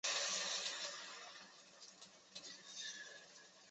要塞外的莫卧尔大篷车道亦建于这一时期。